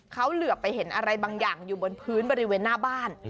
เขาเหลือไปเห็นอะไรบางอย่างอยู่บนพื้นบริเวณหน้าบ้าน